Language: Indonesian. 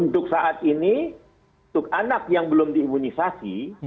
untuk saat ini untuk anak yang belum diimunisasi